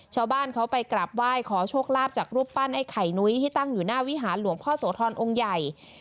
ชาวบ้านเขาไปกราบไหว้ขอโชคลาภจากรูปปั้นไอ้ไข่นุ้ยที่ตั้งอยู่หน้าวิหารหลวงพ่อโสธรองค์ใหญ่